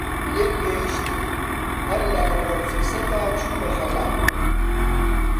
لێک گەیشتین هەر لە ئەووەڵ فرسەتا چووینە خەلا